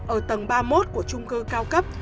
ở tầng ba mươi một của trung cư cao cấp